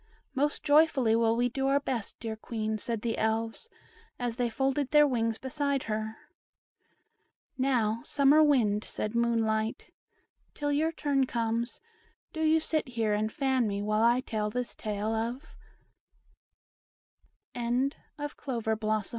"Most joyfully will we do our best, dear Queen," said the Elves, as they folded their wings beside her. "Now, Summer Wind," said Moonlight, "till your turn comes, do you sit here and fan me while I tell this tale of LITTLE ANNIE'S DREAM; OR